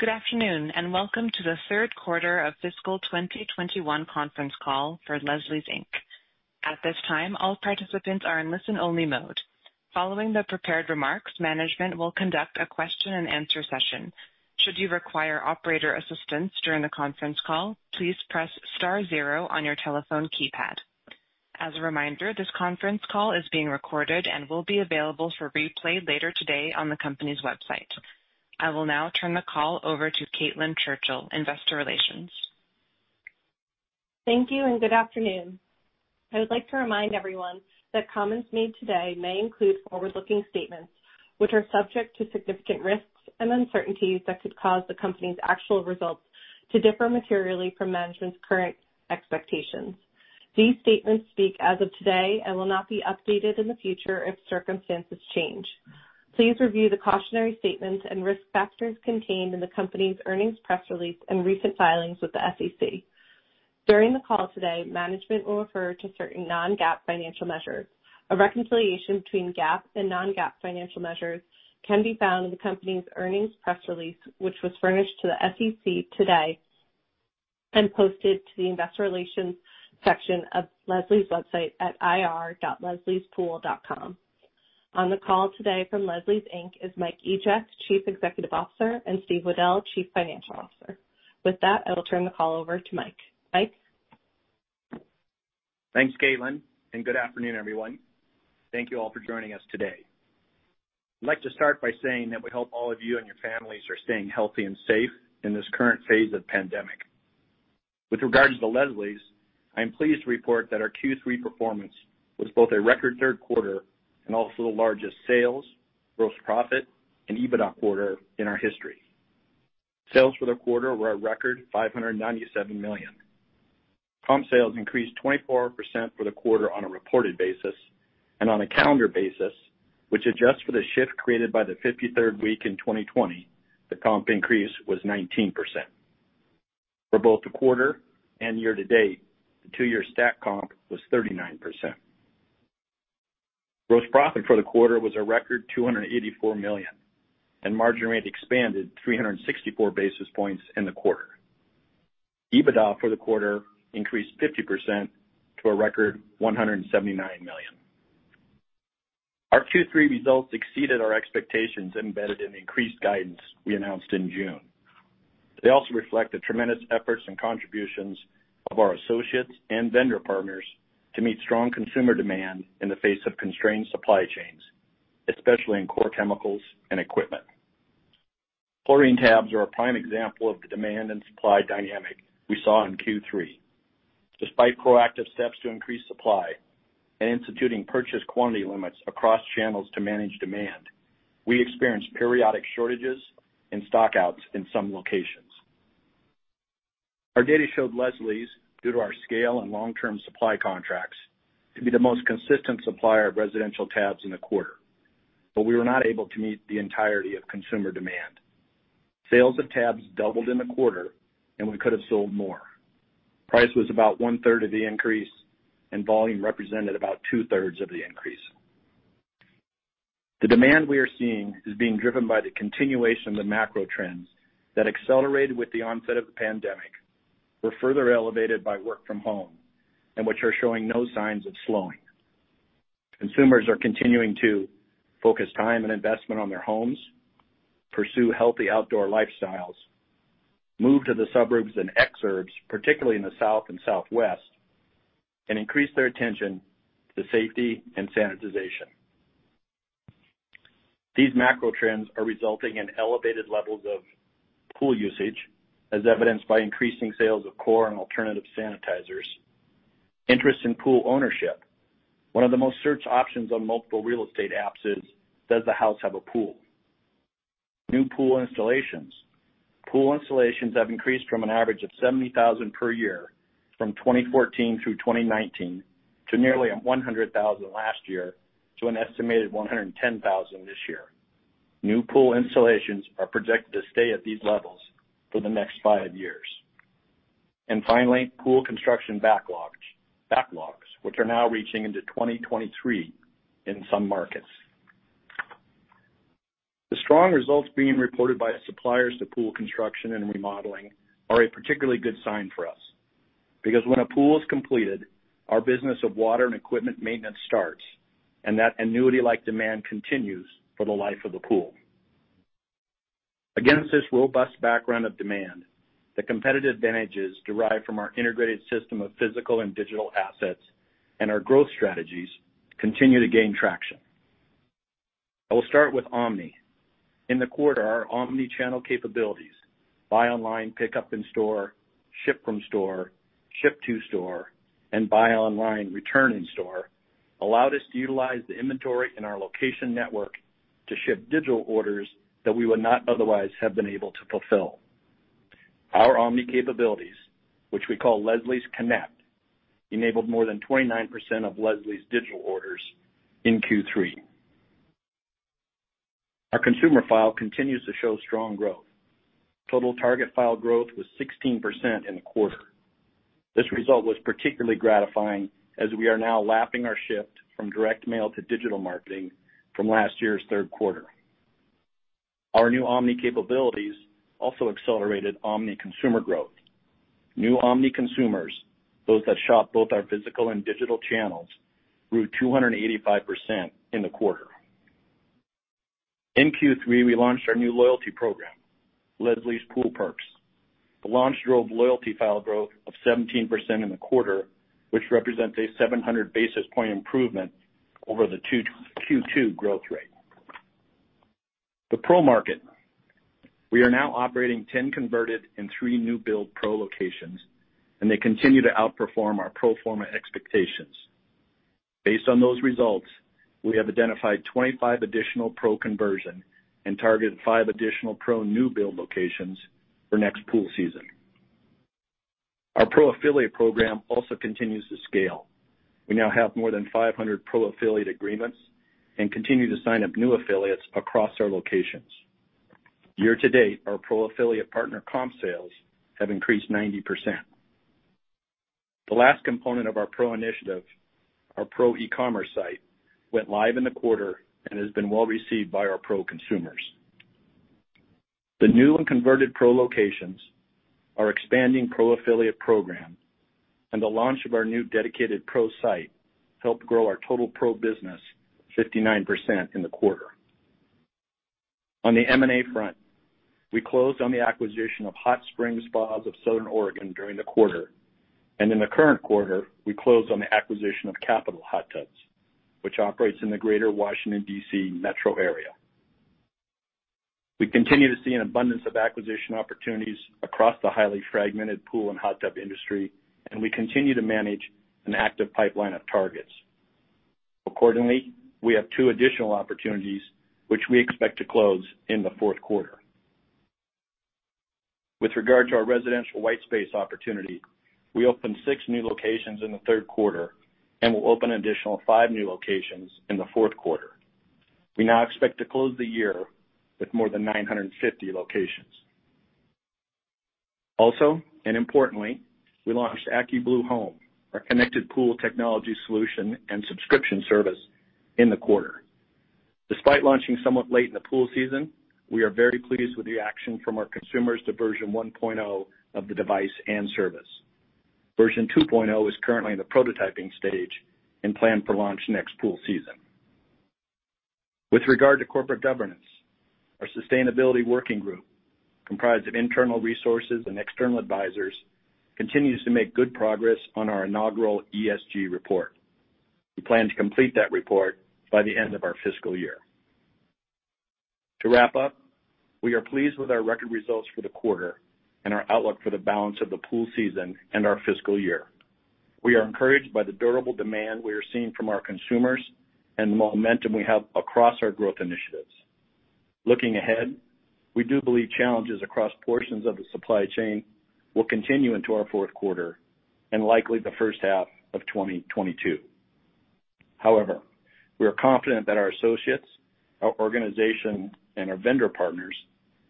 Good afternoon, and welcome to the third quarter of fiscal 2021 conference call for Leslie's, Inc. At this time, all participants are in listen only mode. Following the prepared remarks, management will conduct a question and answer session. Should you require operator assistance during the conference call, please press star zero on your telephone keypad. As a reminder, this conference call is being recorded and will be available for replay later today on the company's website. I will now turn the call over to Caitlin Churchill, Investor Relations. Thank you, and good afternoon. I would like to remind everyone that comments made today may include forward-looking statements, which are subject to significant risks and uncertainties that could cause the company's actual results to differ materially from management's current expectations. These statements speak as of today and will not be updated in the future if circumstances change. Please review the cautionary statements and risk factors contained in the company's earnings press release and recent filings with the SEC. During the call today, management will refer to certain non-GAAP financial measures. A reconciliation between GAAP and non-GAAP financial measures can be found in the company's earnings press release, which was furnished to the SEC today and posted to the investor relations section of Leslie's website at ir.lesliespool.com. On the call today from Leslie's, Inc. is Mike Egeck, Chief Executive Officer, and Steve Weddell, Chief Financial Officer. With that, I will turn the call over to Mike. Mike? Thanks, Caitlin, and good afternoon, everyone. Thank you all for joining us today. I'd like to start by saying that we hope all of you and your families are staying healthy and safe in this current phase of pandemic. With regards to Leslie's, I am pleased to report that our Q3 performance was both a record third quarter and also the largest sales, gross profit, and EBITDA quarter in our history. Sales for the quarter were a record $597 million. comp sales increased 24% for the quarter on a reported basis, and on a calendar basis, which adjusts for the shift created by the 53rd week in 2020, the comp increase was 19%. For both the quarter and year to date, the two-year stack comp was 39%. Gross profit for the quarter was a record $284 million, and margin rate expanded 364 basis points in the quarter. EBITDA for the quarter increased 50% to a record $179 million. Our Q3 results exceeded our expectations embedded in the increased guidance we announced in June. They also reflect the tremendous efforts and contributions of our associates and vendor partners to meet strong consumer demand in the face of constrained supply chains, especially in core chemicals and equipment. Chlorine tabs are a prime example of the demand and supply dynamic we saw in Q3. Despite proactive steps to increase supply and instituting purchase quantity limits across channels to manage demand, we experienced periodic shortages and stock-outs in some locations. Our data showed Leslie's, due to our scale and long-term supply contracts, to be the most consistent supplier of residential tabs in the quarter, but we were not able to meet the entirety of consumer demand. Sales of tabs doubled in the quarter, and we could have sold more. Price was about one-third of the increase, and volume represented about two-thirds of the increase. The demand we are seeing is being driven by the continuation of the macro trends that accelerated with the onset of the pandemic, were further elevated by work from home, and which are showing no signs of slowing. Consumers are continuing to focus time and investment on their homes, pursue healthy outdoor lifestyles, move to the suburbs and exurbs, particularly in the South and Southwest, and increase their attention to safety and sanitization. These macro trends are resulting in elevated levels of pool usage, as evidenced by increasing sales of core and alternative sanitizers. Interest in pool ownership. One of the most searched options on multiple real estate apps is "Does the house have a pool?" New pool installations. Pool installations have increased from an average of 70,000 per year from 2014 through 2019 to nearly 100,000 last year to an estimated 110,000 this year. New pool installations are projected to stay at these levels for the next five years. Finally, pool construction backlogs, which are now reaching into 2023 in some markets. The strong results being reported by suppliers to pool construction and remodeling are a particularly good sign for us, because when a pool is completed, our business of water and equipment maintenance starts, and that annuity-like demand continues for the life of the pool. Against this robust background of demand, the competitive advantages derived from our integrated system of physical and digital assets and our growth strategies continue to gain traction. I will start with omni. In the quarter, our omni-channel capabilities, buy online pickup in store, ship from store, ship to store, and buy online, return in store, allowed us to utilize the inventory in our location network to ship digital orders that we would not otherwise have been able to fulfill. Our omni-capabilities, which we call Leslie's Connect, enabled more than 29% of Leslie's digital orders in Q3. Our consumer file continues to show strong growth. Total target file growth was 16% in the quarter. This result was particularly gratifying, as we are now lapping our shift from direct mail to digital marketing from last year's third quarter. Our new omni-capabilities also accelerated omni-consumer growth. New omni-consumers, those that shop both our physical and digital channels, grew 285% in the quarter. In Q3, we launched our new loyalty program, Leslie's Pool Perks. The launch drove loyalty file growth of 17% in the quarter, which represents a 700 basis point improvement over the Q2 growth rate. The Pro market. We are now operating 10 converted and three new build Pro locations, and they continue to outperform our pro forma expectations. Based on those results, we have identified 25 additional Pro conversion and target five additional Pro new build locations for next pool season. Our Pro affiliate program also continues to scale. We now have more than 500 Pro affiliate agreements and continue to sign up new affiliates across our locations. Year-to-date, our Pro affiliate partner comp sales have increased 90%. The last component of our Pro initiative, our Pro e-commerce site, went live in the quarter and has been well-received by our Pro consumers. The new and converted Pro locations, our expanding Pro affiliate program, and the launch of our new dedicated Pro site helped grow our total Pro business 59% in the quarter. On the M&A front, we closed on the acquisition of Hot Spring Spas of Southern Oregon during the quarter. In the current quarter, we closed on the acquisition of Capital Hot Tubs, which operates in the greater Washington, D.C. metro area. We continue to see an abundance of acquisition opportunities across the highly fragmented pool and hot tub industry, and we continue to manage an active pipeline of targets. Accordingly, we have two additional opportunities which we expect to close in the fourth quarter. With regard to our residential white space opportunity, we opened six new locations in the third quarter and will open an additional five new locations in the fourth quarter. We now expect to close the year with more than 950 locations. Importantly, we launched AccuBlue Home, our connected pool technology solution and subscription service in the quarter. Despite launching somewhat late in the pool season, we are very pleased with the action from our consumers to version 1.0 of the device and service. Version 2.0 is currently in the prototyping stage and planned for launch next pool season. With regard to corporate governance, our sustainability working group, comprised of internal resources and external advisors, continues to make good progress on our inaugural ESG report. We plan to complete that report by the end of our fiscal year. To wrap up, we are pleased with our record results for the quarter and our outlook for the balance of the pool season and our fiscal year. We are encouraged by the durable demand we are seeing from our consumers and the momentum we have across our growth initiatives. Looking ahead, we do believe challenges across portions of the supply chain will continue into our fourth quarter, and likely the first half of 2022. However, we are confident that our associates, our organization, and our vendor partners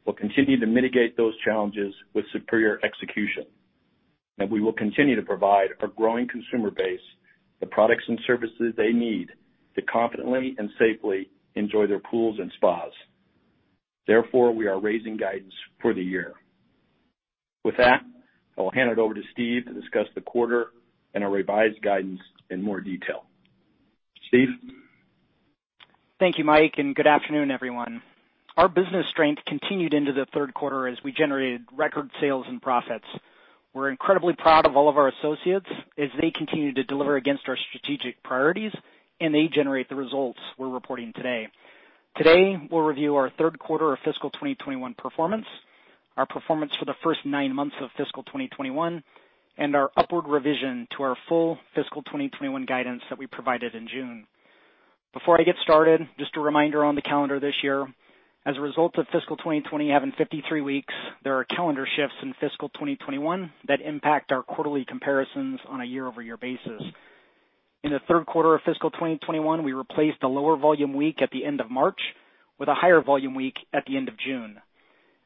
will continue to mitigate those challenges with superior execution. We will continue to provide our growing consumer base the products and services they need to confidently and safely enjoy their pools and spas. Therefore, we are raising guidance for the year. With that, I will hand it over to Steve to discuss the quarter and our revised guidance in more detail. Steve? Thank you, Mike. Good afternoon, everyone. Our business strength continued into the third quarter as we generated record sales and profits. We're incredibly proud of all of our associates as they continue to deliver against our strategic priorities. They generate the results we're reporting today. Today, we'll review our third quarter of fiscal 2021 performance, our performance for the first nine months of fiscal 2021. Our upward revision to our full fiscal 2021 guidance that we provided in June. Before I get started, just a reminder on the calendar this year. As a result of fiscal 2020 having 53 weeks, there are calendar shifts in fiscal 2021 that impact our quarterly comparisons on a year-over-year basis. In the third quarter of fiscal 2021, we replaced a lower volume week at the end of March with a higher volume week at the end of June.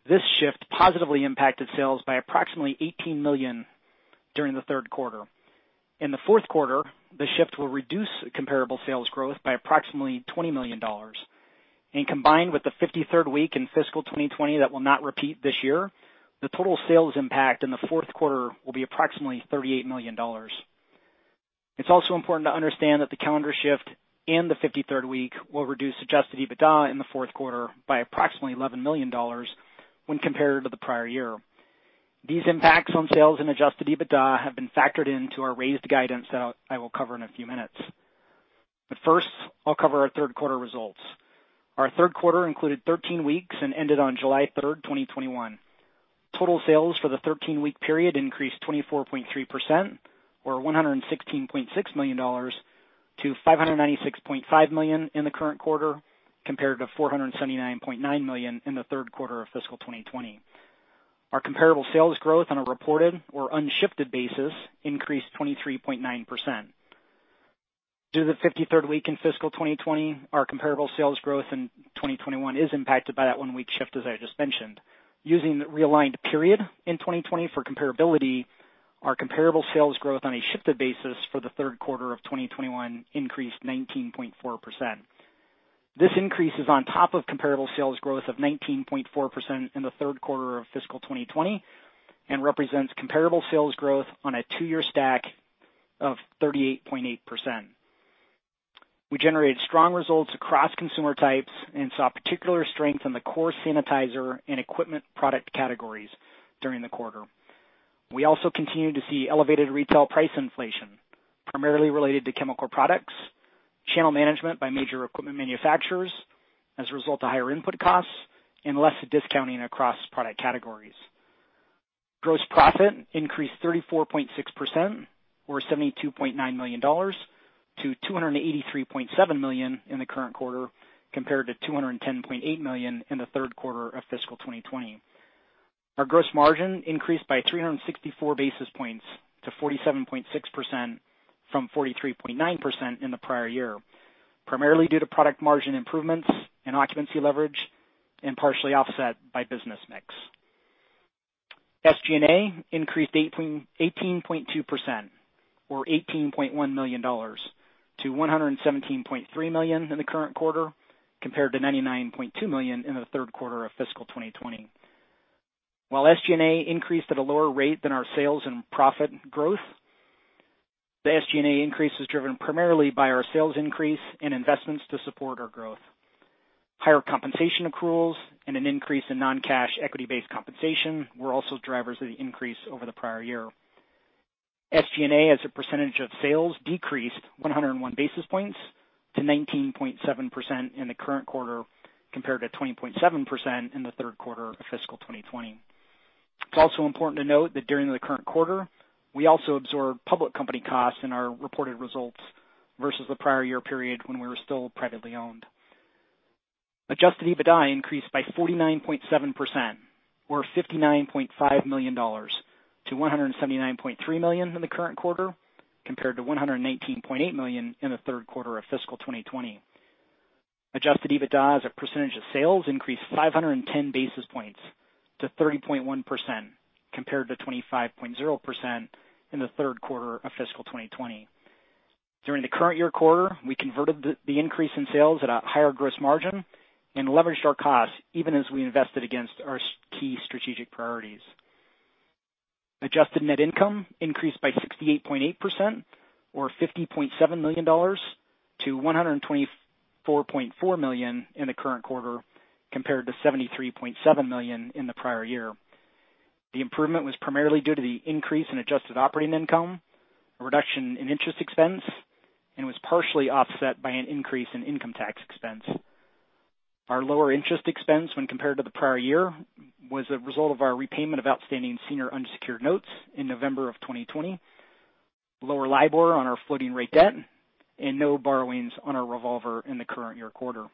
This shift positively impacted sales by approximately $18 million during the third quarter. In the fourth quarter, the shift will reduce comparable sales growth by approximately $20 million. Combined with the 53rd week in fiscal 2020 that will not repeat this year, the total sales impact in the fourth quarter will be approximately $38 million. It's also important to understand that the calendar shift and the 53rd week will reduce adjusted EBITDA in the fourth quarter by approximately $11 million when compared to the prior year. These impacts on sales and adjusted EBITDA have been factored into our raised guidance that I will cover in a few minutes. First, I'll cover our third quarter results. Our third quarter included 13 weeks and ended on July 3rd, 2021. Total sales for the 13-week period increased 24.3%, or $116.6 million, to $596.5 million in the current quarter, compared to $479.9 million in the third quarter of fiscal 2020. Our comparable sales growth on a reported or unshifted basis increased 23.9%. Due to the 53rd week in fiscal 2020, our comparable sales growth in 2021 is impacted by that one-week shift, as I just mentioned. Using the realigned period in 2020 for comparability, our comparable sales growth on a shifted basis for the third quarter of 2021 increased 19.4%. This increase is on top of comparable sales growth of 19.4% in the third quarter of fiscal 2020 and represents comparable sales growth on a two-year stack of 38.8%. We generated strong results across consumer types and saw particular strength in the core sanitizer and equipment product categories during the quarter. We also continue to see elevated retail price inflation, primarily related to chemical products, channel management by major equipment manufacturers as a result of higher input costs, and less discounting across product categories. Gross profit increased 34.6%, or $72.9 million, to $283.7 million in the current quarter, compared to $210.8 million in the 3rd quarter of fiscal 2020. Our gross margin increased by 364 basis points to 47.6% from 43.9% in the prior year, primarily due to product margin improvements and occupancy leverage, and partially offset by business mix. SG&A increased 18.2%, or $18.1 million, to $117.3 million in the current quarter, compared to $99.2 million in the 3rd quarter of fiscal 2020. While SG&A increased at a lower rate than our sales and profit growth, the SG&A increase is driven primarily by our sales increase and investments to support our growth. Higher compensation accruals and an increase in non-cash equity-based compensation were also drivers of the increase over the prior year. SG&A, as a percentage of sales, decreased 101 basis points to 19.7% in the current quarter, compared to 20.7% in the third quarter of fiscal 2020. It is also important to note that during the current quarter, we also absorbed public company costs in our reported results versus the prior year period when we were still privately owned. Adjusted EBITDA increased by 49.7%, or $59.5 million, to $179.3 million in the current quarter, compared to $119.8 million in the third quarter of fiscal 2020. Adjusted EBITDA as a percentage of sales increased 510 basis points to 30.1%, compared to 25.0% in the third quarter of fiscal 2020. During the current year quarter, we converted the increase in sales at a higher gross margin and leveraged our costs even as we invested against our key strategic priorities. Adjusted Net Income increased by 68.8%, or $50.7 million, to $124.4 million in the current quarter, compared to $73.7 million in the prior year. The improvement was primarily due to the increase in Adjusted Operating Income, a reduction in interest expense, and was partially offset by an increase in income tax expense. Our lower interest expense when compared to the prior year was a result of our repayment of outstanding senior unsecured notes in November of 2020, lower LIBOR on our floating rate debt, and no borrowings on our revolver in the current year quarter.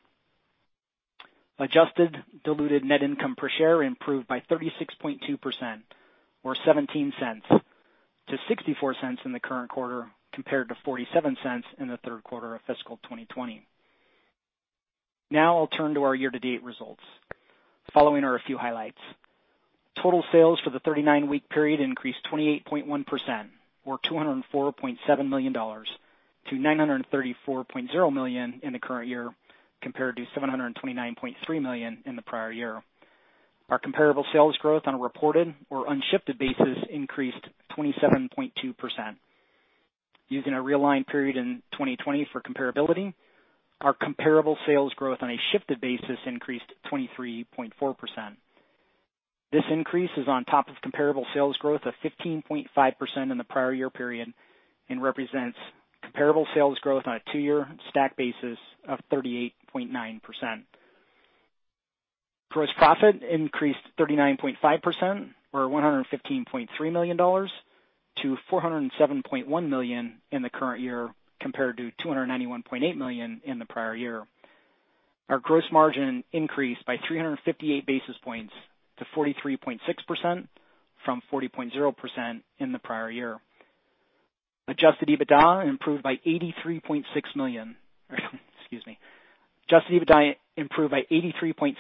Adjusted diluted net income per share improved by 36.2%, or $0.17, to $0.64 in the current quarter, compared to $0.47 in the third quarter of fiscal 2020. Now I'll turn to our year-to-date results. The following are a few highlights. Total sales for the 39-week period increased 28.1%, or $204.7 million, to $934.0 million in the current year, compared to $729.3 million in the prior year. Our comparable sales growth on a reported or unshifted basis increased 27.2%. Using a realigned period in 2020 for comparability, our comparable sales growth on a shifted basis increased 23.4%. This increase is on top of comparable sales growth of 15.5% in the prior year period and represents comparable sales growth on a two-year stack basis of 38.9%. Gross profit increased 39.5%, or $115.3 million, to $407.1 million in the current year, compared to $291.8 million in the prior year. Our gross margin increased by 358 basis points to 43.6%, from 40.0% in the prior year. Adjusted EBITDA improved by $83.6 million. Excuse me. Adjusted EBITDA improved by 83.6%,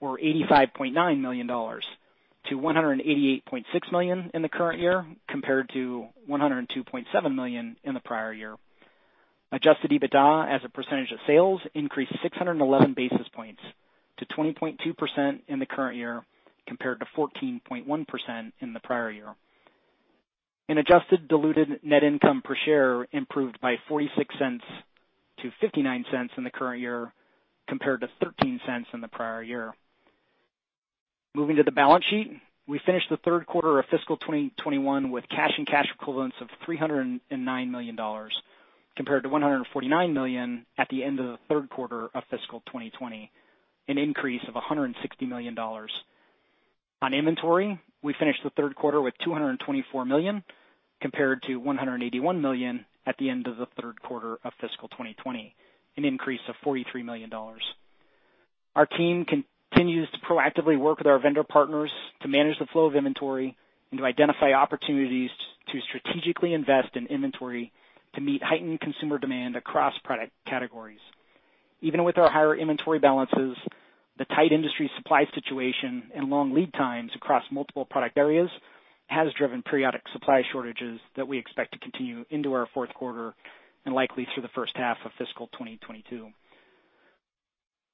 or $85.9 million, to $188.6 million in the current year, compared to $102.7 million in the prior year. Adjusted EBITDA as a percentage of sales increased 611 basis points to 20.2% in the current year, compared to 14.1% in the prior year. Adjusted diluted net income per share improved by $0.46 to $0.59 in the current year, compared to $0.13 in the prior year. Moving to the balance sheet. We finished the third quarter of fiscal 2021 with cash and cash equivalents of $309 million, compared to $149 million at the end of the third quarter of fiscal 2020, an increase of $160 million. On inventory, we finished the third quarter with $224 million, compared to $181 million at the end of the third quarter of fiscal 2020, an increase of $43 million. Our team continues to proactively work with our vendor partners to manage the flow of inventory and to identify opportunities to strategically invest in inventory to meet heightened consumer demand across product categories. Even with our higher inventory balances, the tight industry supply situation and long lead times across multiple product areas has driven periodic supply shortages that we expect to continue into our fourth quarter and likely through the first half of fiscal 2022.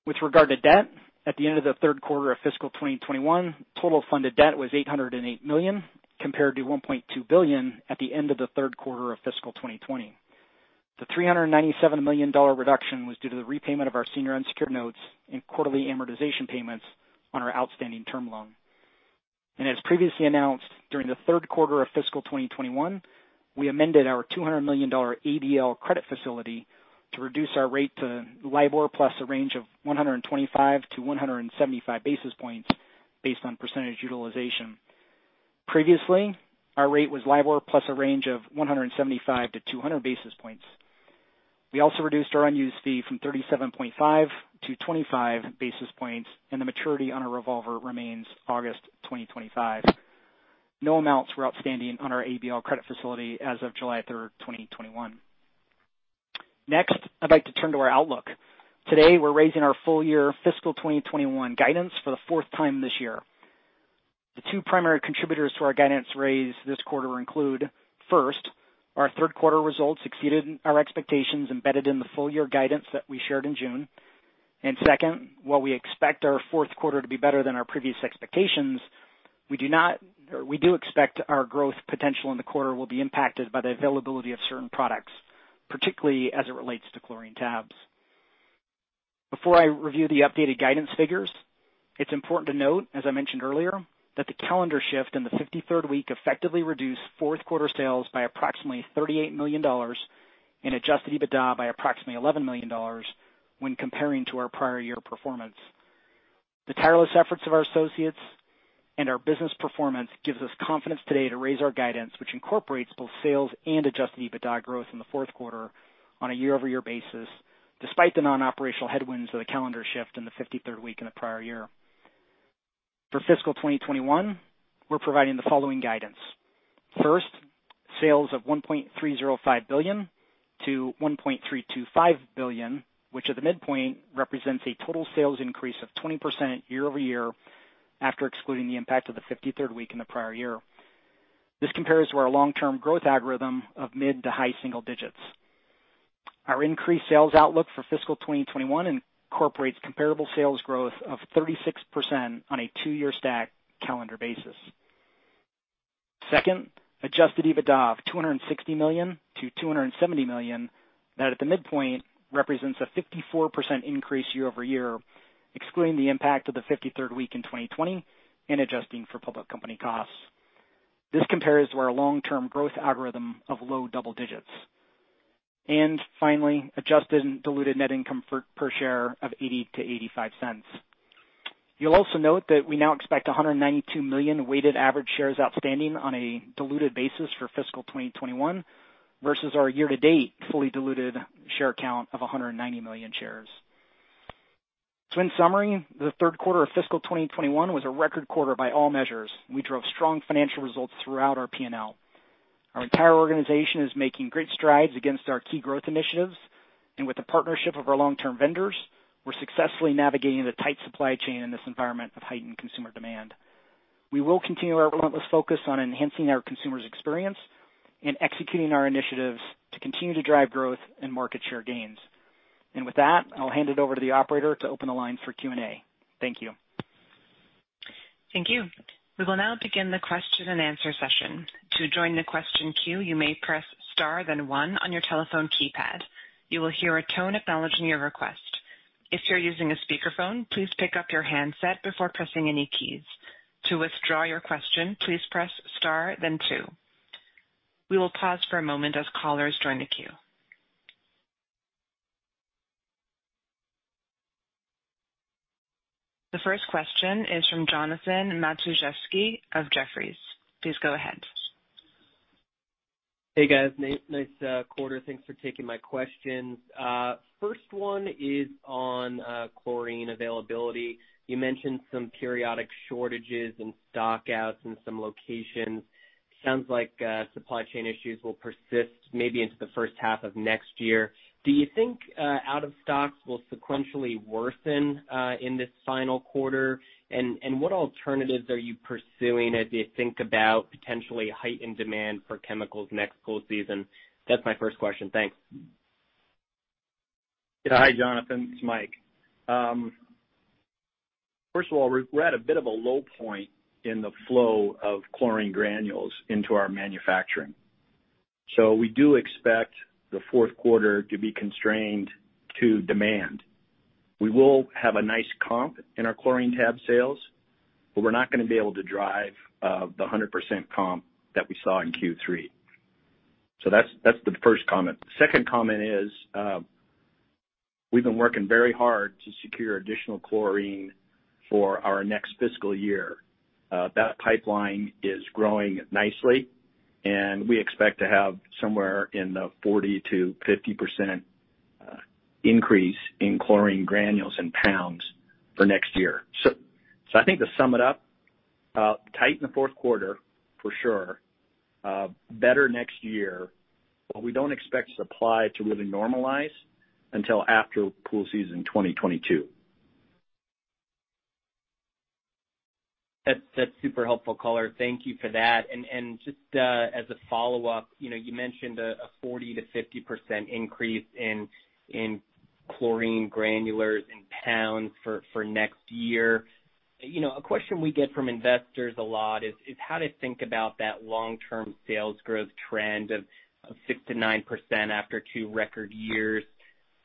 With regard to debt, at the end of the third quarter of fiscal 2021, total funded debt was $808 million, compared to $1.2 billion at the end of the third quarter of fiscal 2020. The $397 million reduction was due to the repayment of our senior unsecured notes and quarterly amortization payments on our outstanding term loan. As previously announced, during the third quarter of fiscal 2021, we amended our $200 million ABL credit facility to reduce our rate to LIBOR plus a range of 125 to 175 basis points based on percentage utilization. Previously, our rate was LIBOR plus a range of 175 to 200 basis points. We also reduced our unused fee from 37.5 to 25 basis points, and the maturity on our revolver remains August 2025. No amounts were outstanding on our ABL credit facility as of July 3rd, 2021. Next, I'd like to turn to our outlook. Today, we're raising our full year fiscal 2021 guidance for the 4th time this year. The two primary contributors to our guidance raise this quarter include, first, our third quarter results exceeded our expectations embedded in the full year guidance that we shared in June. Second, while we expect our fourth quarter to be better than our previous expectations, we do expect our growth potential in the quarter will be impacted by the availability of certain products, particularly as it relates to chlorine tabs. Before I review the updated guidance figures, it's important to note, as I mentioned earlier, that the calendar shift in the 53rd week effectively reduced fourth quarter sales by approximately $38 million and adjusted EBITDA by approximately $11 million when comparing to our prior year performance. The tireless efforts of our associates and our business performance gives us confidence today to raise our guidance, which incorporates both sales and adjusted EBITDA growth in the fourth quarter on a year-over-year basis, despite the non-operational headwinds of the calendar shift in the 53rd week in the prior year. For fiscal 2021, we're providing the following guidance. First, sales of $1.305 billion-$1.325 billion, which at the midpoint represents a total sales increase of 20% year-over-year after excluding the impact of the 53rd week in the prior year. This compares to our long-term growth algorithm of mid to high single digits. Our increased sales outlook for fiscal 2021 incorporates comparable sales growth of 36% on a two-year stack calendar basis. Second, adjusted EBITDA of $260 million-$270 million, that at the midpoint represents a 54% increase year-over-year, excluding the impact of the 53rd week in 2020 and adjusting for public company costs. This compares to our long-term growth algorithm of low double digits. Finally, adjusted and diluted net income per share of $0.80-$0.85. You'll also note that we now expect 192 million weighted average shares outstanding on a diluted basis for fiscal 2021 versus our year-to-date fully diluted share count of 190 million shares. In summary, the third quarter of fiscal 2021 was a record quarter by all measures. We drove strong financial results throughout our P&L. Our entire organization is making great strides against our key growth initiatives. With the partnership of our long-term vendors, we're successfully navigating the tight supply chain in this environment of heightened consumer demand. We will continue our relentless focus on enhancing our consumers' experience and executing our initiatives to continue to drive growth and market share gains. With that, I'll hand it over to the operator to open the line for Q&A. Thank you. Thank you. We will now begin the question and answer session. To join the question queue, you may press star one on your telephone keypad. You will hear a tone acknowledging your request. If you're using a speaker phone, please pick up your handset before pressing any keys. To withdraw your question, please press star then two. We will pause for a moment as callers join the queue. The first question is from Jonathan Matuszewski of Jefferies. Please go ahead. Hey, guys. Nice quarter. Thanks for taking my questions. First one is on chlorine availability. You mentioned some periodic shortages and stock outs in some locations. Sounds like supply chain issues will persist maybe into the first half of next year. Do you think out of stocks will sequentially worsen in this final quarter? What alternatives are you pursuing as you think about potentially heightened demand for chemicals next pool season? That's my first question. Thanks. Hi, Jonathan. It's Mike. First of all, we're at a bit of a low point in the flow of chlorine granules into our manufacturing. We do expect the fourth quarter to be constrained to demand. We will have a nice comp in our chlorine tab sales, but we're not going to be able to drive the 100% comp that we saw in Q3. That's the first comment. The second comment is, we've been working very hard to secure additional chlorine For our next fiscal year, that pipeline is growing nicely, and we expect to have somewhere in the 40%-50% increase in chlorine granules in pounds for next year. I think to sum it up, tight in the fourth quarter, for sure. Better next year, we don't expect supply to really normalize until after pool season 2022. That's super helpful color. Thank you for that. Just as a follow-up, you mentioned a 40%-50% increase in chlorine granulars in pounds for next year. A question we get from investors a lot is how to think about that long-term sales growth trend of 6%-9% after two record years.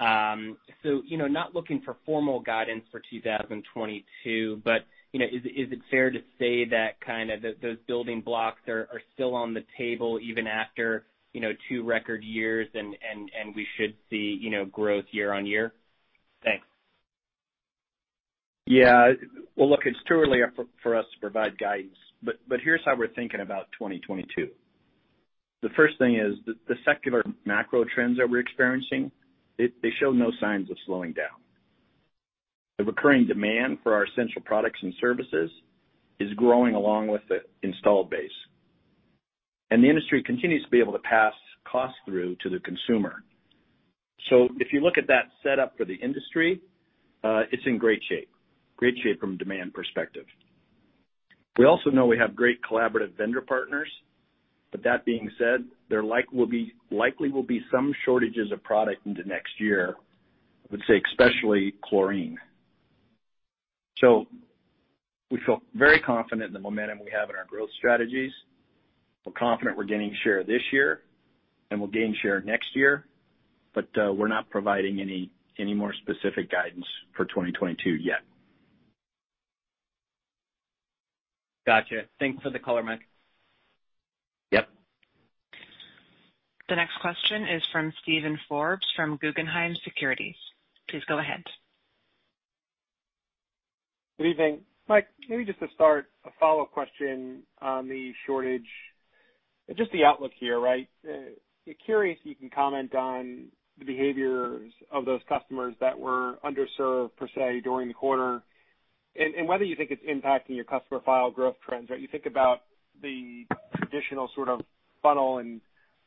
Not looking for formal guidance for 2022, but is it fair to say that those building blocks are still on the table even after two record years and we should see growth year on year? Thanks. Yeah. Well, look, it's too early for us to provide guidance, but here's how we're thinking about 2022. The first thing is the secular macro trends that we're experiencing, they show no signs of slowing down. The recurring demand for our essential products and services is growing along with the installed base. The industry continues to be able to pass costs through to the consumer. If you look at that setup for the industry, it's in great shape, great shape from a demand perspective. We also know we have great collaborative vendor partners, but that being said, there likely will be some shortages of product into next year, I would say especially chlorine. We feel very confident in the momentum we have in our growth strategies. We're confident we're gaining share this year, and we'll gain share next year. We're not providing any more specific guidance for 2022 yet. Gotcha. Thanks for the color, Mike. Yep. The next question is from Steven Forbes from Guggenheim Securities. Please go ahead. Good evening. Mike, maybe just to start, a follow-up question on the shortage and just the outlook here, right? Curious if you can comment on the behaviors of those customers that were underserved, per se, during the quarter, and whether you think it's impacting your customer file growth trends, right? You think about the traditional sort of funnel and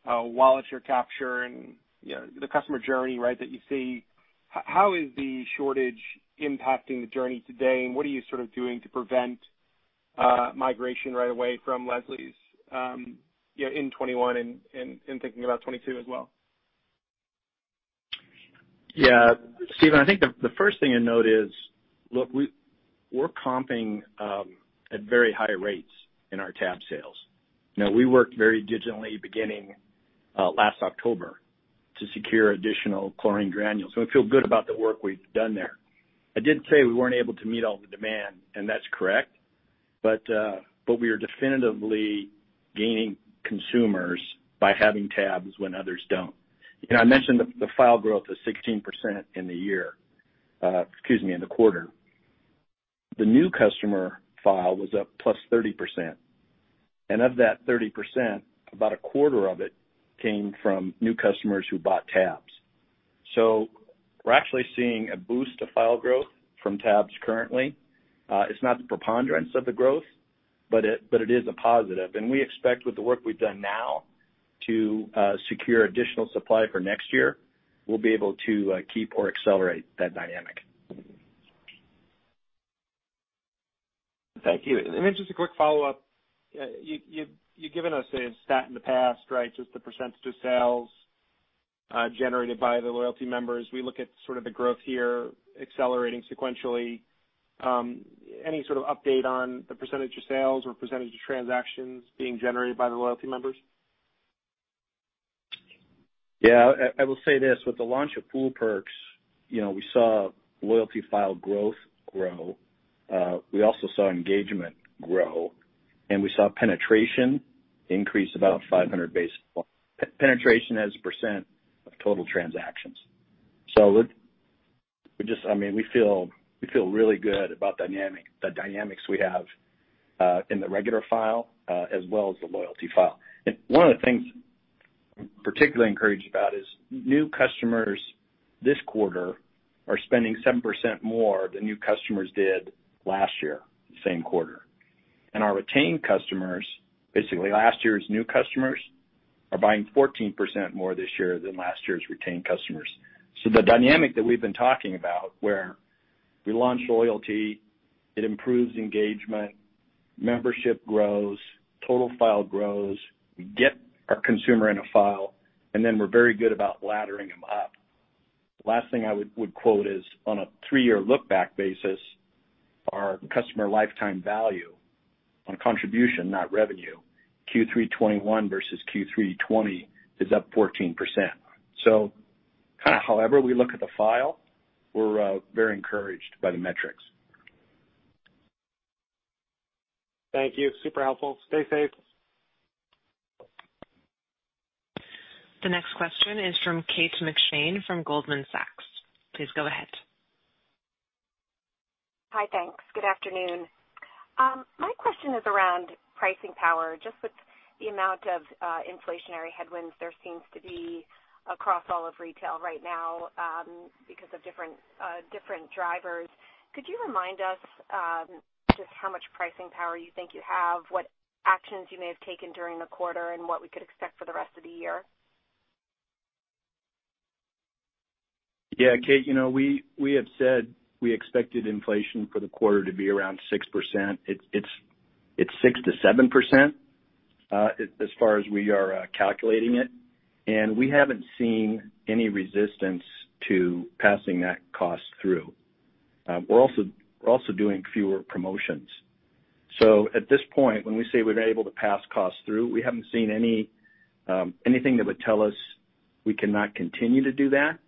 wallet share capture and the customer journey, right, that you see. How is the shortage impacting the journey today, what are you sort of doing to prevent migration right away from Leslie's in 2021 and thinking about 2022 as well? Yeah. Steven, I think the first thing to note is, look, we're comping at very high rates in our tab sales. We worked very digitally beginning last October to secure additional chlorine granules. We feel good about the work we've done there. I did say we weren't able to meet all the demand, and that's correct. We are definitively gaining consumers by having tabs when others don't. I mentioned the file growth is 16% in the quarter. The new customer file was up plus 30%. Of that 30%, about a quarter of it came from new customers who bought tabs. We're actually seeing a boost to file growth from tabs currently. It's not the preponderance of the growth, but it is a positive. We expect with the work we've done now to secure additional supply for next year, we'll be able to keep or accelerate that dynamic. Thank you. Maybe just a quick follow-up. You've given us a stat in the past, right, just the percentage of sales generated by the loyalty members. We look at sort of the growth here accelerating sequentially. Any sort of update on the percentage of sales or percentage of transactions being generated by the loyalty members? I will say this. With the launch of Pool Perks, we saw loyalty file growth grow. We also saw engagement grow, and we saw penetration increase about 500 basis points. Penetration as a percent of total transactions. We feel really good about the dynamics we have in the regular file, as well as the loyalty file. One of the things I'm particularly encouraged about is new customers this quarter are spending 7% more than new customers did last year, same quarter. Our retained customers, basically last year's new customers, are buying 14% more this year than last year's retained customers. The dynamic that we've been talking about where we launch loyalty, it improves engagement, membership grows, total file grows. We get our consumer in a file, then we're very good about laddering them up. The last thing I would quote is on a three-year look back basis, our customer lifetime value on contribution, not revenue, Q3 2021 versus Q3 2020 is up 14%. However we look at the file, we're very encouraged by the metrics. Thank you. Super helpful. Stay safe. The next question is from Kate McShane from Goldman Sachs. Please go ahead. Hi. Thanks. Good afternoon. My question is around pricing power, just with the amount of inflationary headwinds there seems to be across all of retail right now because of different drivers. Could you remind us just how much pricing power you think you have, what actions you may have taken during the quarter, and what we could expect for the rest of the year? Yeah, Kate. We have said we expected inflation for the quarter to be around 6%. It's 6%-7%, as far as we are calculating it. We haven't seen any resistance to passing that cost through. We're also doing fewer promotions. At this point, when we say we've been able to pass costs through, we haven't seen anything that would tell us we cannot continue to do that,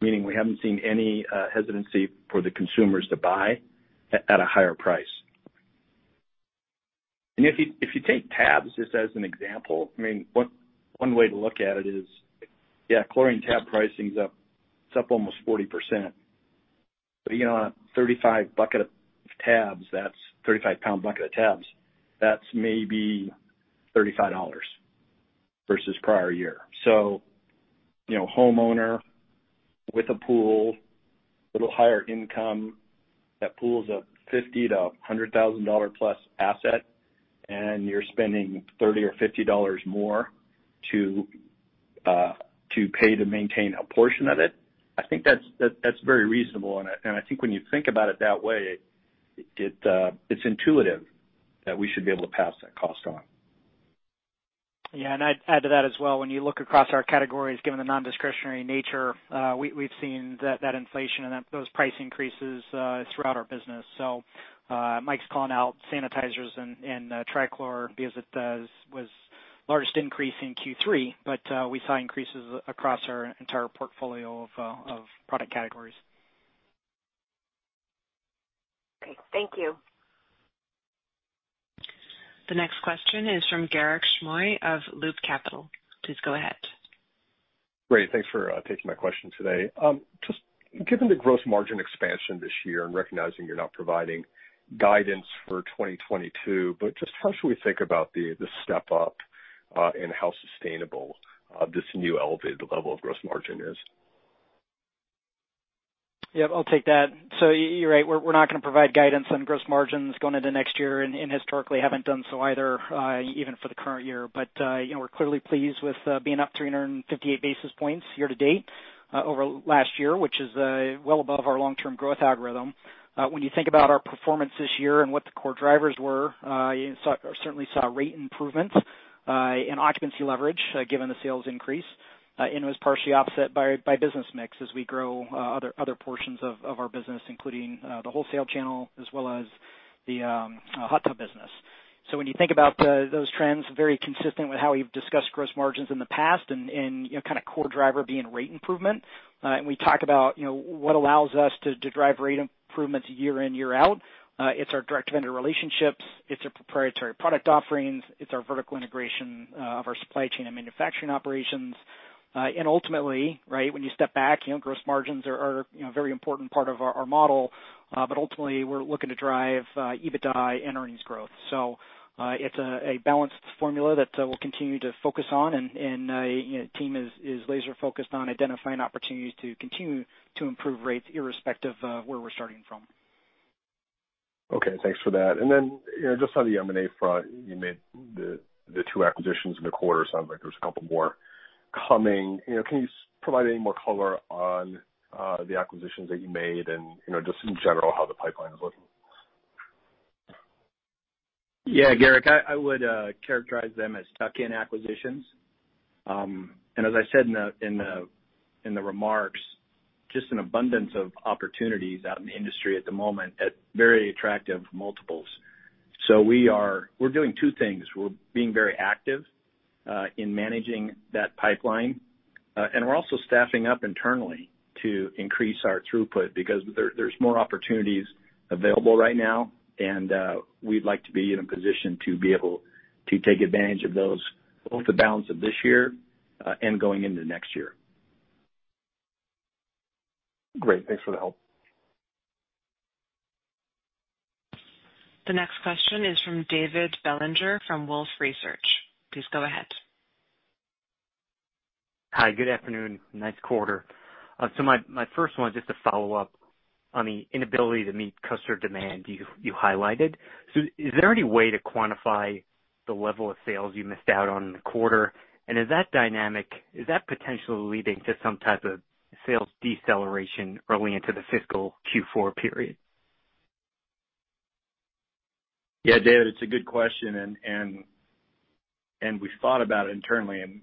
meaning we haven't seen any hesitancy for the consumers to buy at a higher price. If you take tabs, just as an example, one way to look at it is, yeah, chlorine tab pricing's up almost 40%. A 35-pound bucket of tabs, that's maybe $35 versus prior year. Homeowner with a pool, little higher income. That pool's a $50,000-$100,000-plus asset, and you're spending $30 or $50 more to pay to maintain a portion of it. I think that's very reasonable, and I think when you think about it that way, it's intuitive that we should be able to pass that cost on. I'd add to that as well. When you look across our categories, given the non-discretionary nature, we've seen that inflation and those price increases throughout our business. Mike's calling out sanitizers and trichlor because it was largest increase in Q3. We saw increases across our entire portfolio of product categories. Okay. Thank you. The next question is from Garick Rickun of Loop Capital. Please go ahead. Great. Thanks for taking my question today. Just given the gross margin expansion this year and recognizing you're not providing guidance for 2022, but just how should we think about the step up and how sustainable this new elevated level of gross margin is? Yeah, I'll take that. You're right. We're not going to provide guidance on gross margins going into next year, and historically haven't done so either even for the current year. We're clearly pleased with being up 358 basis points year-to-date over last year, which is well above our long-term growth algorithm. When you think about our performance this year and what the core drivers were, you certainly saw rate improvements in occupancy leverage, given the sales increase, and it was partially offset by business mix as we grow other portions of our business, including the wholesale channel as well as the hot tub business. When you think about those trends, very consistent with how we've discussed gross margins in the past and kind of core driver being rate improvement. We talk about what allows us to drive rate improvements year-in, year-out. It's our direct vendor relationships. It's our proprietary product offerings. It's our vertical integration of our supply chain and manufacturing operations. Ultimately, when you step back, gross margins are a very important part of our model. Ultimately, we're looking to drive EBITDA and earnings growth. It's a balanced formula that we'll continue to focus on, and team is laser focused on identifying opportunities to continue to improve rates irrespective of where we're starting from. Okay. Thanks for that. Just on the M&A front, you made the two acquisitions in the quarter. Sounds like there's a couple more coming. Can you provide any more color on the acquisitions that you made and, just in general, how the pipeline is looking? Yeah, Garick, I would characterize them as tuck-in acquisitions. As I said in the remarks, just an abundance of opportunities out in the industry at the moment at very attractive multiples. We're doing two things. We're being very active in managing that pipeline, and we're also staffing up internally to increase our throughput because there's more opportunities available right now, and we'd like to be in a position to be able to take advantage of those, both the balance of this year, and going into next year. Great. Thanks for the help. The next question is from David Bellinger from Wolfe Research. Please go ahead. Hi, good afternoon. Nice quarter. My first one, just to follow up on the inability to meet customer demand you highlighted. Is there any way to quantify the level of sales you missed out on in the quarter? Is that dynamic potentially leading to some type of sales deceleration early into the fiscal Q4 period? Yeah, David, it's a good question, and we've thought about it internally, and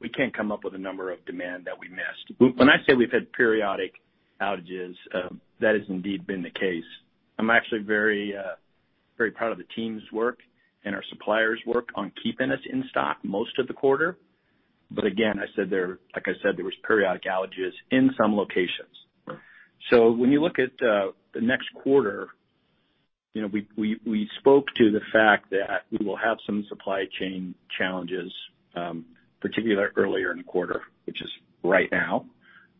we can't come up with a number of demand that we missed. When I say we've had periodic outages, that has indeed been the case. I'm actually very proud of the team's work and our suppliers' work on keeping us in stock most of the quarter. Again, like I said, there was periodic outages in some locations. When you look at the next quarter. We spoke to the fact that we will have some supply chain challenges, particularly earlier in the quarter, which is right now,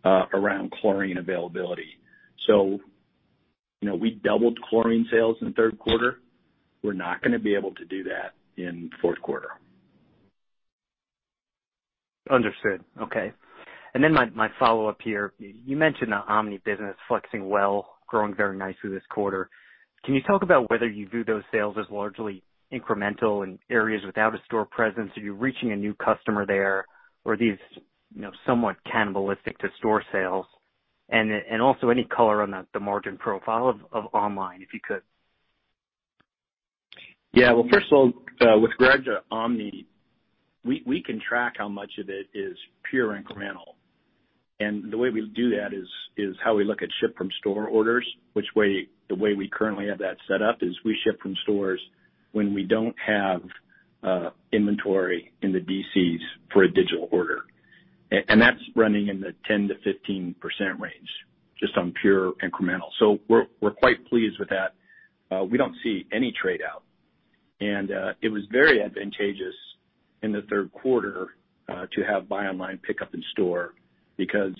around chlorine availability. We doubled chlorine sales in the third quarter. We're not going to be able to do that in the fourth quarter. Understood. Okay. My follow-up here, you mentioned the omni business flexing well, growing very nicely this quarter. Can you talk about whether you view those sales as largely incremental in areas without a store presence? Are you reaching a new customer there? Or are these somewhat cannibalistic to store sales? Also any color on the margin profile of online, if you could. Yeah. Well, first of all, with regards to omni, we can track how much of it is pure incremental. The way we do that is how we look at ship from store orders, which the way we currently have that set up is we ship from stores when we don't have inventory in the DCs for a digital order. That's running in the 10%-15% range, just on pure incremental. We're quite pleased with that. We don't see any trade-out. It was very advantageous in the third quarter to have buy online, pickup in store, because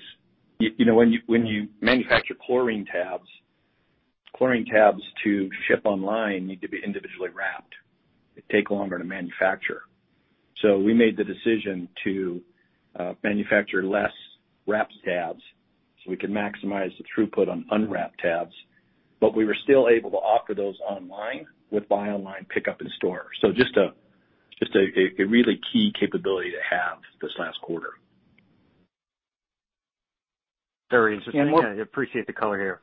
when you manufacture chlorine tabs, chlorine tabs to ship online need to be individually wrapped. They take longer to manufacture. We made the decision to manufacture less wrapped tabs so we could maximize the throughput on unwrapped tabs. We were still able to offer those online with buy online, pickup in store. Just a really key capability to have this last quarter. Very interesting. And more- Appreciate the color here.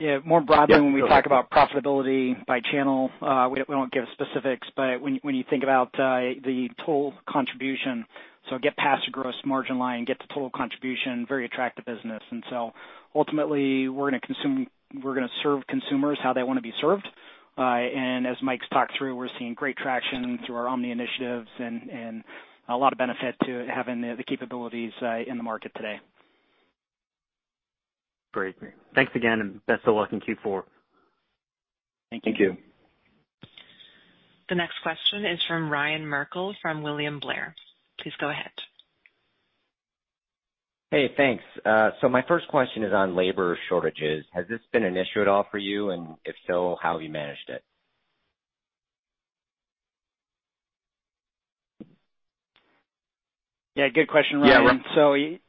Yeah. Yeah, go ahead. When we talk about profitability by channel, we won't give specifics, but when you think about the total contribution, get past the gross margin line, get to total contribution, very attractive business. Ultimately, we're going to serve consumers how they want to be served. As Mike's talked through, we're seeing great traction through our omni initiatives and a lot of benefit to having the capabilities in the market today. Great. Thanks again. Best of luck in Q4. Thank you. Thank you. The next question is from Ryan Merkel from William Blair. Please go ahead. Hey, thanks. My first question is on labor shortages. Has this been an issue at all for you, and if so, how have you managed it? Yeah, good question, Ryan. Yeah, Ryan.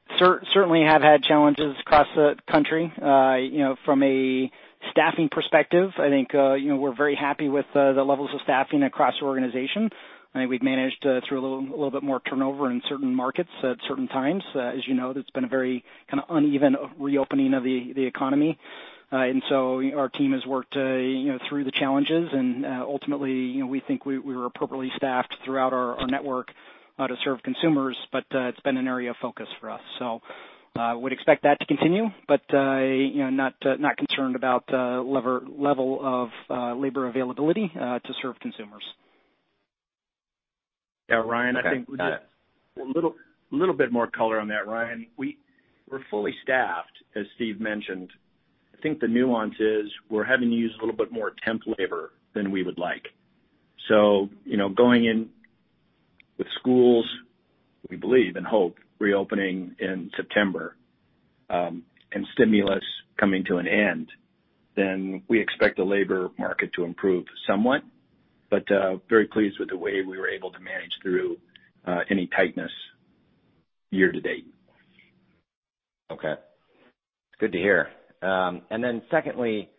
Certainly have had challenges across the country. From a staffing perspective, I think, we're very happy with the levels of staffing across our organization. I think we've managed through a little bit more turnover in certain markets at certain times. As you know, it's been a very kind of uneven reopening of the economy. Our team has worked through the challenges and, ultimately, we think we were appropriately staffed throughout our network to serve consumers. It's been an area of focus for us. Would expect that to continue, but not concerned about level of labor availability to serve consumers. Yeah, Ryan. Okay, got it. A little bit more color on that, Ryan. We're fully staffed, as Steve mentioned. I think the nuance is we're having to use a little bit more temp labor than we would like. Going in with schools, we believe and hope, reopening in September, and stimulus coming to an end, then we expect the labor market to improve somewhat. Very pleased with the way we were able to manage through any tightness year to date. Okay. Good to hear. Secondly,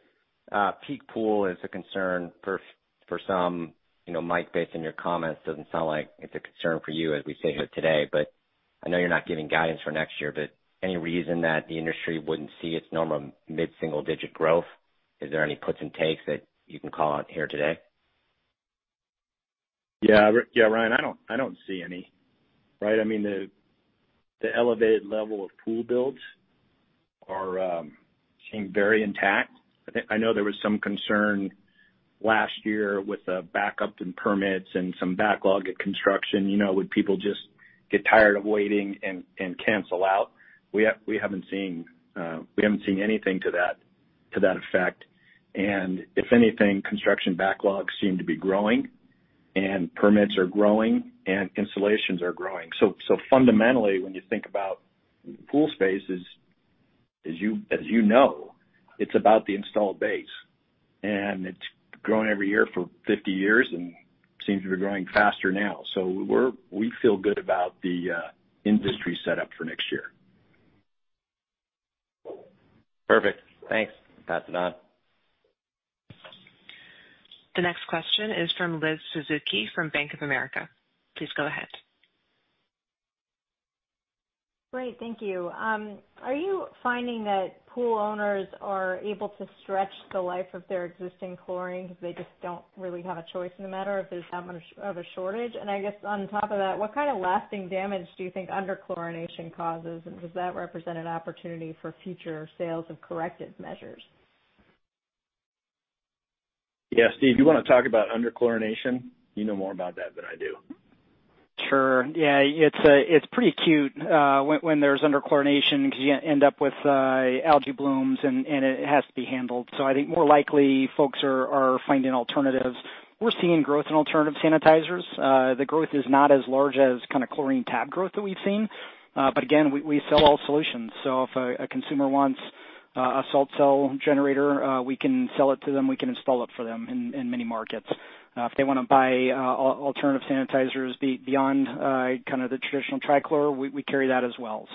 peak pool is a concern for some. Mike, based on your comments, doesn't sound like it's a concern for you as we sit here today, but I know you're not giving guidance for next year, but any reason that the industry wouldn't see its normal mid-single digit growth? Is there any puts and takes that you can call out here today? Yeah, Ryan, I don't see any, right? I mean, the elevated level of pool builds seem very intact. I know there was some concern last year with the backup in permits and some backlog at construction, would people just get tired of waiting and cancel out? We haven't seen anything to that effect, and if anything, construction backlogs seem to be growing, and permits are growing, and installations are growing. Fundamentally, when you think about pool spaces, as you know, it's about the installed base, and it's grown every year for 50 years and seems to be growing faster now. We feel good about the industry setup for next year. Perfect. Thanks. Pass it on. The next question is from Elizabeth Suzuki from Bank of America. Please go ahead. Great. Thank you. Are you finding that pool owners are able to stretch the life of their existing chlorine because they just don't really have a choice in the matter if there's that much of a shortage? I guess on top of that, what kind of lasting damage do you think underchlorination causes, and does that represent an opportunity for future sales of corrective measures? Yeah, Steve, do you want to talk about underchlorination? You know more about that than I do. Sure. Yeah, it's pretty acute when there's under-chlorination because you end up with algae blooms, and it has to be handled. I think more likely, folks are finding alternatives. We're seeing growth in alternative sanitizers. The growth is not as large as chlorine tab growth that we've seen. Again, we sell all solutions, so if a consumer wants a salt cell generator, we can sell it to them, we can install it for them in many markets. If they want to buy alternative sanitizers beyond the traditional trichlor, we carry that as well.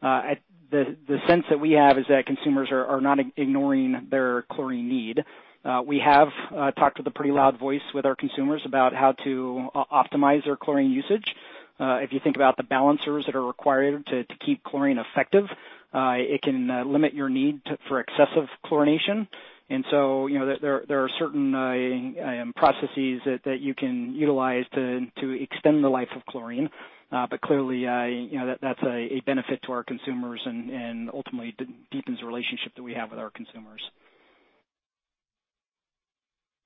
The sense that we have is that consumers are not ignoring their chlorine need. We have talked with a pretty loud voice with our consumers about how to optimize their chlorine usage. If you think about the balancers that are required to keep chlorine effective, it can limit your need for excessive chlorination. There are certain processes that you can utilize to extend the life of chlorine. Clearly, that's a benefit to our consumers and ultimately deepens the relationship that we have with our consumers.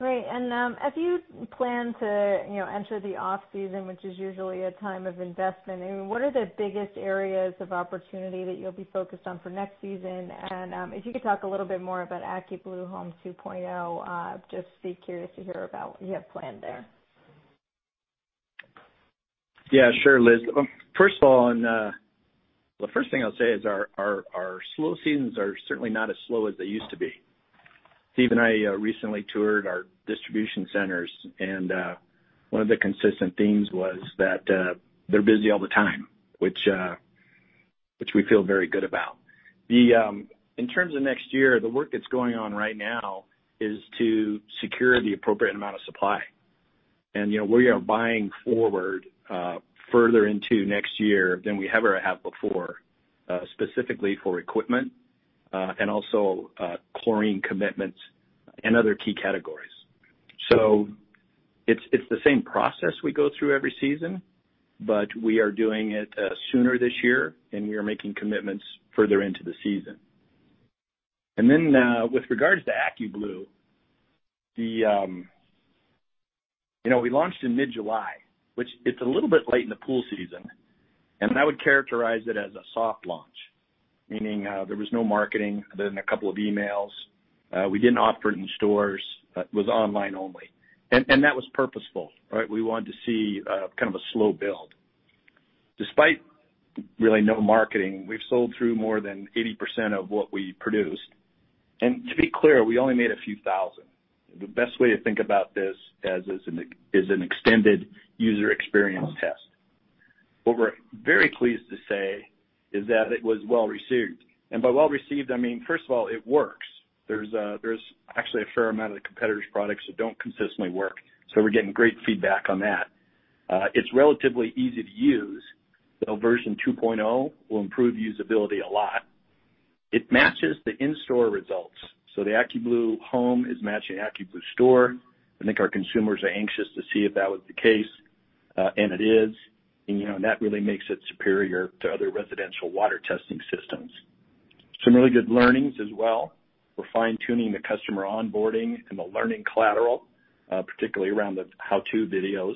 Great. As you plan to enter the off-season, which is usually a time of investment, what are the biggest areas of opportunity that you'll be focused on for next season? If you could talk a little bit more about AccuBlue Home 2.0, just be curious to hear about what you have planned there. Yeah, sure, Liz. First of all, the first thing I'll say is our slow seasons are certainly not as slow as they used to be. Steve and I recently toured our distribution centers, and one of the consistent themes was that they're busy all the time, which we feel very good about. In terms of next year, the work that's going on right now is to secure the appropriate amount of supply. We are buying forward further into next year than we ever have before, specifically for equipment, and also chlorine commitments and other key categories. It's the same process we go through every season, but we are doing it sooner this year, and we are making commitments further into the season. With regards to AccuBlue, we launched in mid-July, which it's a little bit late in the pool season, and I would characterize it as a soft launch, meaning there was no marketing other than a couple of emails. We didn't offer it in stores. It was online only. That was purposeful. We wanted to see kind of a slow build. Despite really no marketing, we've sold through more than 80% of what we produced. To be clear, we only made a few thousand. The best way to think about this as is an extended user experience test. What we're very pleased to say is that it was well-received. By well-received, I mean, first of all, it works. There's actually a fair amount of the competitors' products that don't consistently work, so we're getting great feedback on that. It's relatively easy to use, though version 2.0 will improve usability a lot. It matches the in-store results, so the AccuBlue Home is matching AccuBlue Store. I think our consumers are anxious to see if that was the case, and it is, and that really makes it superior to other residential water testing systems. Some really good learnings as well. We're fine-tuning the customer onboarding and the learning collateral, particularly around the how-to videos.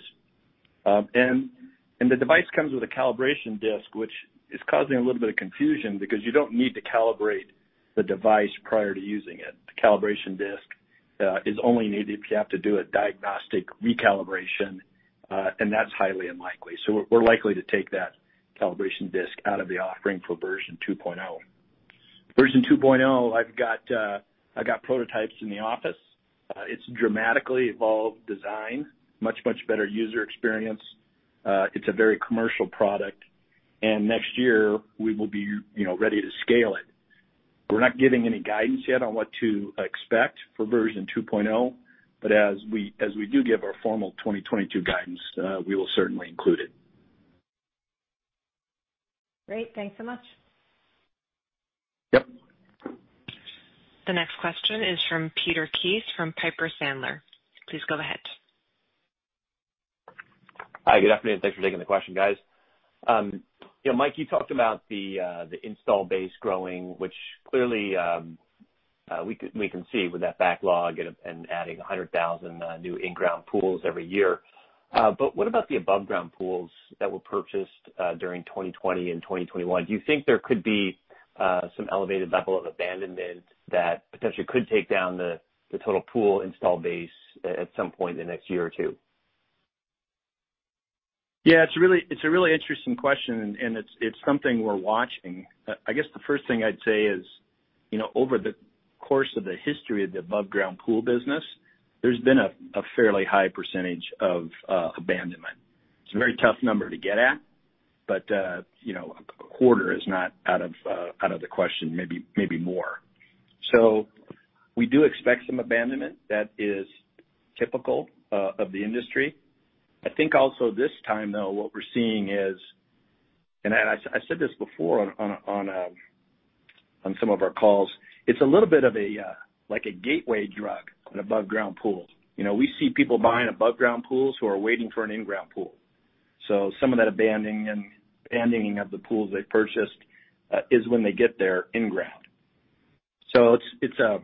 The device comes with a calibration disc, which is causing a little bit of confusion because you don't need to calibrate the device prior to using it. The calibration disc is only needed if you have to do a diagnostic recalibration, and that's highly unlikely. We're likely to take that calibration disc out of the offering for version 2.0. Version 2.0, I've got prototypes in the office. It's a dramatically evolved design, much better user experience. It's a very commercial product. Next year, we will be ready to scale it. We're not giving any guidance yet on what to expect for version 2.0, but as we do give our formal 2022 guidance, we will certainly include it. Great. Thanks so much. Yep. The next question is from Peter Keith from Piper Sandler. Please go ahead. Hi, good afternoon. Thanks for taking the question, guys. Mike, you talked about the install base growing, which clearly we can see with that backlog and adding 100,000 new in-ground pools every year. What about the above ground pools that were purchased during 2020 and 2021? Do you think there could be some elevated level of abandonment that potentially could take down the total pool install base at some point in the next year or two? Yeah, it's a really interesting question. It's something we're watching. I guess the first thing I'd say is, over the course of the history of the above ground pool business, there's been a fairly high percentage of abandonment. It's a very tough number to get at. A quarter is not out of the question, maybe more. We do expect some abandonment. That is typical of the industry. I think also this time, though, what we're seeing is, I said this before on some of our calls, it's a little bit of like a gateway drug, an above ground pool. We see people buying above ground pools who are waiting for an in-ground pool. Some of that abandoning of the pools they purchased is when they get their in-ground. It's a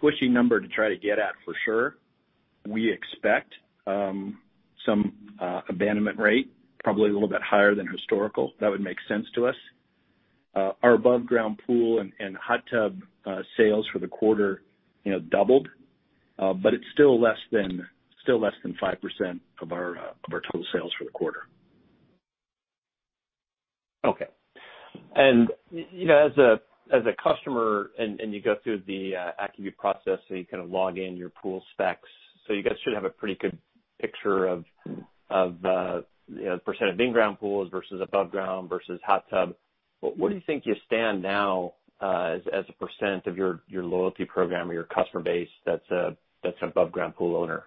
squishy number to try to get at for sure. We expect some abandonment rate, probably a little bit higher than historical. That would make sense to us. Our above ground pool and hot tub sales for the quarter doubled, but it's still less than 5% of our total sales for the quarter. Okay. As a customer and you go through the AccuBlue process, you kind of log in your pool specs. You guys should have a pretty good picture of the percent of in-ground pools versus above ground versus hot tub. Where do you think you stand now, as a percent of your loyalty program or your customer base that's above ground pool owner?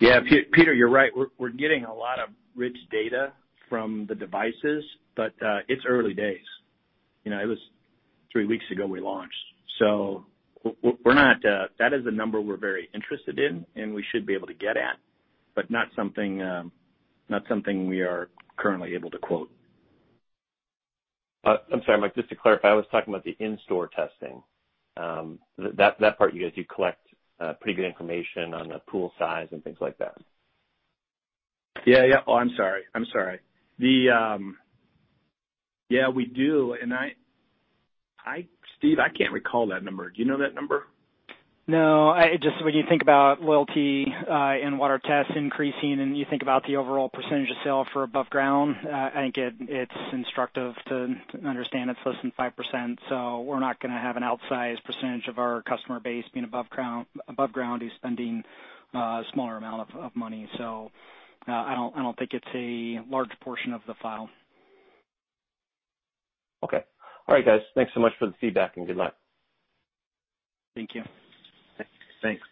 Yeah, Peter, you're right. We're getting a lot of rich data from the devices, but it's early days. It was 3 weeks ago we launched. That is a number we're very interested in, and we should be able to get at, but not something we are currently able to quote. I'm sorry, Mike, just to clarify, I was talking about the in-store testing. That part you guys, you collect pretty good information on the pool size and things like that. Yeah. Oh, I'm sorry. Yeah, we do. Steve, I can't recall that number. Do you know that number? No, just when you think about loyalty, and water tests increasing, and you think about the overall percentage of sale for above ground, I think it's instructive to understand it's less than 5%, so we're not going to have an outsized percentage of our customer base being above ground, who's spending a smaller amount of money. I don't think it's a large portion of the file. Okay. All right guys. Thanks so much for the feedback and good luck. Thank you. Thanks.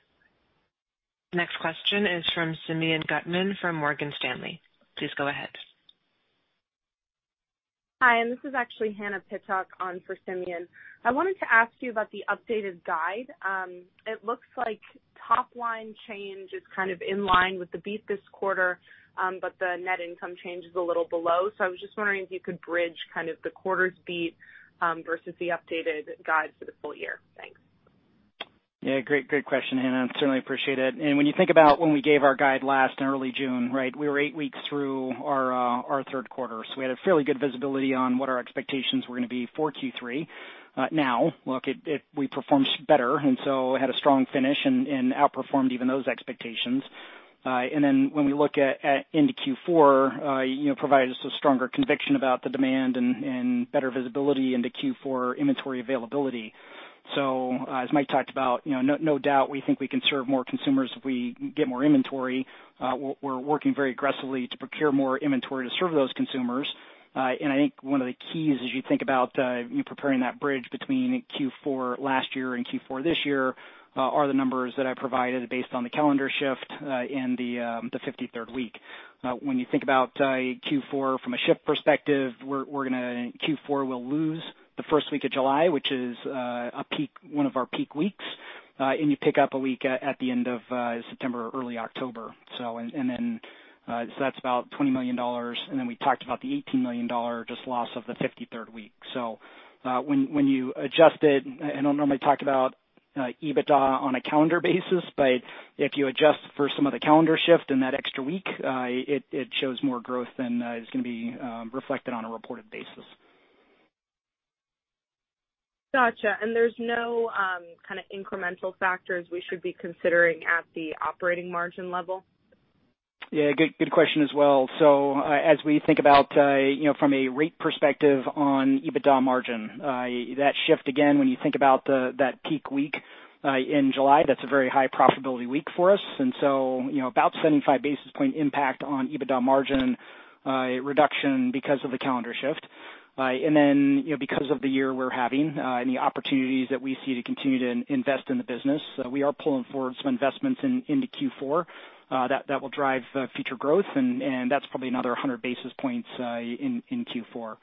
Next question is from Simeon Gutman from Morgan Stanley. Please go ahead. Hi, this is actually Hannah Pittock on for Simeon. I wanted to ask you about the updated guide. It looks like top line change is kind of in line with the beat this quarter, the net income change is a little below. I was just wondering if you could bridge kind of the quarter's beat, versus the updated guide for the full year. Thanks. Yeah. Great question, Hannah. Certainly appreciate it. When you think about when we gave our guide last in early June, right? We were eight weeks through our third quarter. We had a fairly good visibility on what our expectations were going to be for Q3. Now look, we performed better, had a strong finish and outperformed even those expectations. When we look at into Q4, provided us a stronger conviction about the demand and better visibility into Q4 inventory availability. As Mike talked about, no doubt we think we can serve more consumers if we get more inventory. We're working very aggressively to procure more inventory to serve those consumers. I think one of the keys as you think about preparing that bridge between Q4 last year and Q4 this year, are the numbers that I provided based on the calendar shift and the 53rd week. When you think about Q4 from a shift perspective, Q4 will lose the first week of July, which is one of our peak weeks. You pick up a week at the end of September or early October. That's about $20 million. We talked about the $18 million just loss of the 53rd week. When you adjust it, I don't normally talk about EBITDA on a calendar basis, but if you adjust for some of the calendar shift in that extra week, it shows more growth than is going to be reflected on a reported basis. Got you. There's no kind of incremental factors we should be considering at the operating margin level? Yeah, good question as well. As we think about from a rate perspective on EBITDA margin, that shift again, when you think about that peak week in July, that's a very high profitability week for us. About 75 basis point impact on EBITDA margin reduction because of the calendar shift. Then, because of the year we're having, and the opportunities that we see to continue to invest in the business, we are pulling forward some investments into Q4 that will drive future growth and that's probably another 100 basis points in Q4.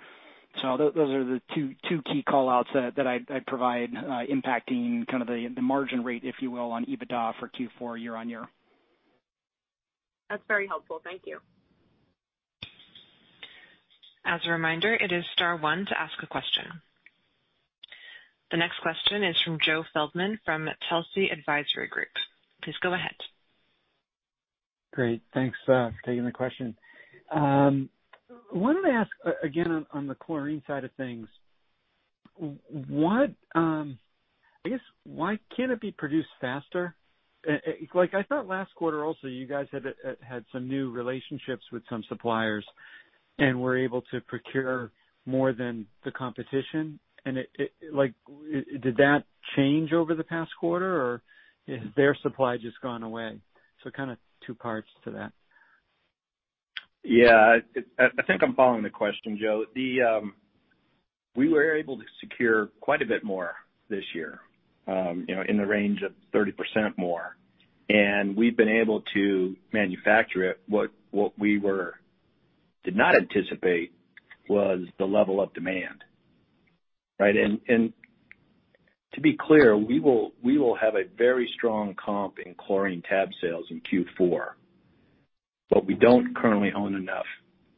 Those are the two key callouts that I'd provide impacting kind of the margin rate, if you will, on EBITDA for Q4 year-on-year. That's very helpful. Thank you. As a reminder, it is star one to ask a question. The next question is from Joseph Feldman from Telsey Advisory Group. Please go ahead. Great. Thanks for taking the question. Wanted to ask again on the chlorine side of things. I guess why can't it be produced faster? Like I thought last quarter also, you guys had some new relationships with some suppliers and were able to procure more than the competition, and did that change over the past quarter, or has their supply just gone away? Kind of two parts to that. I think I'm following the question, Joe. We were able to secure quite a bit more this year, in the range of 30% more, we've been able to manufacture it. What we did not anticipate was the level of demand, right? To be clear, we will have a very strong comp in chlorine tab sales in Q4, we don't currently own enough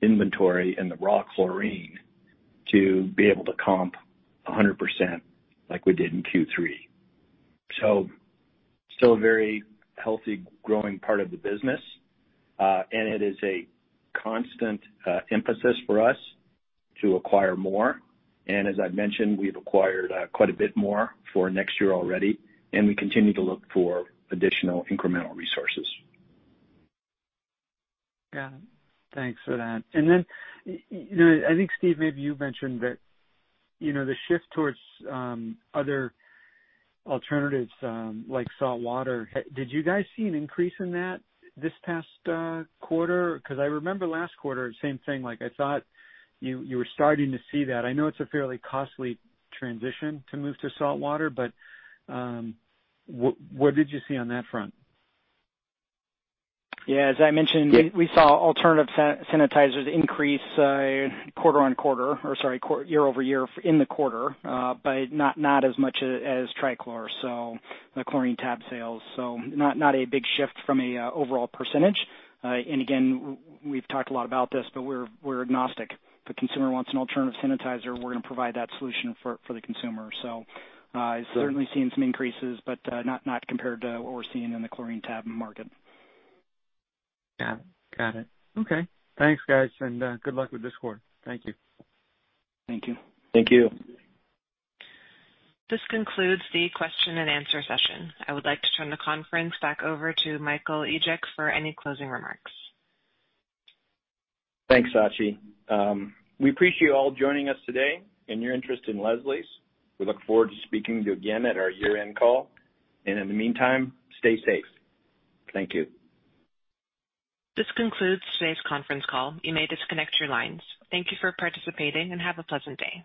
inventory in the raw chlorine to be able to comp 100% like we did in Q3. Still a very healthy, growing part of the business. It is a constant emphasis for us to acquire more. As I've mentioned, we've acquired quite a bit more for next year already, we continue to look for additional incremental resources. Got it. Thanks for that. Then, I think, Steve, maybe you mentioned that the shift towards other alternatives, like saltwater, did you guys see an increase in that this past quarter? Because I remember last quarter, same thing, I thought you were starting to see that. I know it's a fairly costly transition to move to saltwater, but what did you see on that front? Yeah. As I mentioned, we saw alternative sanitizers increase quarter-on-quarter or, sorry, year-over-year in the quarter. Not as much as trichlor, so the chlorine tab sales. Not a big shift from an overall percentage. Again, we've talked a lot about this, but we're agnostic. If the consumer wants an alternative sanitizer, we're going to provide that solution for the consumer. Certainly seen some increases, but not compared to what we're seeing in the chlorine tab market. Got it. Okay. Thanks, guys, and good luck with this quarter. Thank you. Thank you. Thank you. This concludes the question and answer session. I would like to turn the conference back over to Mike Egeck for any closing remarks. Thanks, Ashleigh. We appreciate you all joining us today and your interest in Leslie's. We look forward to speaking to you again at our year-end call, and in the meantime, stay safe. Thank you. This concludes today's conference call. You may disconnect your lines. Thank you for participating, and have a pleasant day.